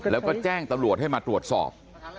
แล้วก็แจ้งตำรวจให้มาตรวจสอบ